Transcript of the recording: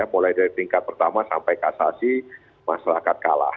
mulai dari tingkat pertama sampai kasasi masyarakat kalah